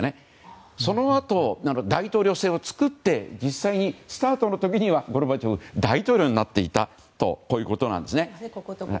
そのあと大統領選を作って実際にＳＴＡＲＴの時にはゴルバチョフ大統領になっていたわけなんです。